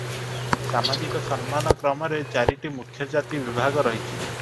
ସାମାଜିକ ସମ୍ମାନ କ୍ରମରେ ଚାରିଟି ମୁଖ୍ୟ ଜାତି ବିଭାଗ ରହିଛି ।